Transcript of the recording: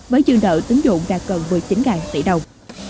với dương đợi tính dụng gạt gần một mươi chín tỷ đồng